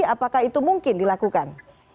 apakah itu mungkin dilakukan